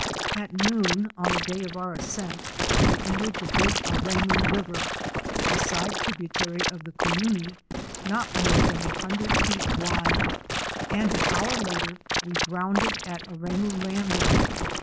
At noon of the day of our ascent we entered the Big Aremu River, a side tributary of the Cuyuni not more than a hundred feet wide, and an hour later we grounded at Aremu Landing.